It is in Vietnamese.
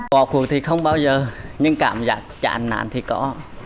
bỏ cuộc thì không bao giờ nhưng cảm giác chạn nạn thì có